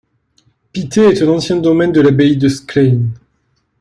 Pitet est un ancien domaine de l’abbaye de Sclayn.